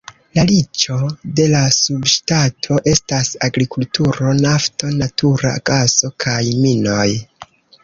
La riĉo de la subŝtato estas agrikulturo, nafto, natura gaso kaj minoj.